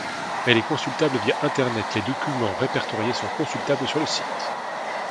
Elle est consultable via Internet, les documents répertoriés sont consultables sur le site.